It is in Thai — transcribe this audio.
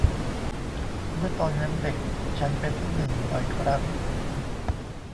เมื่อตอนยังเด็กฉันเป็นที่หนึ่งบ่อยครั้ง